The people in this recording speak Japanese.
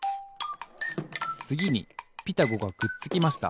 つぎに「ピタゴ」がくっつきました。